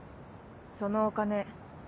そのお金